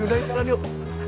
udah entar aja yuk